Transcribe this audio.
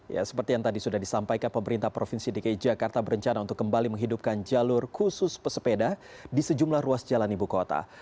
ya seperti yang tadi sudah disampaikan pemerintah provinsi dki jakarta berencana untuk kembali menghidupkan jalur khusus pesepeda di sejumlah ruas jalan ibu kota